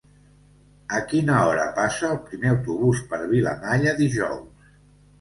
A quina hora passa el primer autobús per Vilamalla dijous?